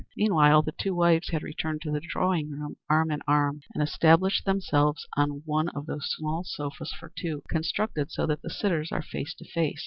Meanwhile the two wives had returned to the drawing room arm in arm, and established themselves on one of those small sofas for two, constructed so that the sitters are face to face.